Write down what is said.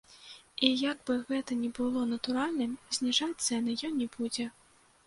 І як бы гэта ні было натуральным, зніжаць цэны ён не будзе.